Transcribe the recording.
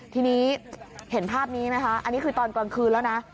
ทีนี้เห็นภาพนี้ไหมคะอันนี้คือตอนกลางคืนแล้วนะ